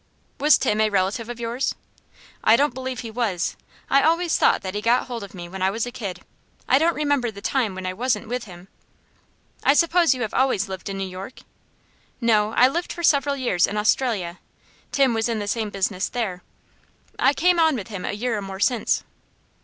"Was Tim a relative of yours?" "I don't believe he was. I always thought that he got hold of me when I was a kid. I don't remember the time when I wasn't with him." "I suppose you have always lived in New York?" "No; I lived for several years in Australia. Tim was in the same business there. I came on with him a year or more since."